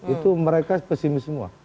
itu mereka pesimis semua